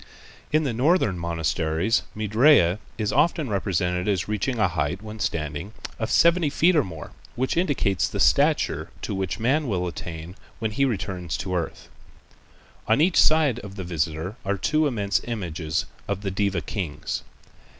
In the northern monasteries Maitrêya is often represented as reaching a height when standing of seventy feet or more, which indicates the stature to which man will attain when he returns to earth. On each side of the visitor are two immense images of the Deva kings.